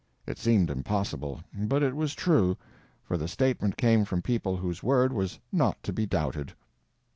It seemed impossible, but it was true, for the statement came from people whose word was not to be doubted.